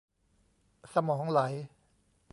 สมองไหล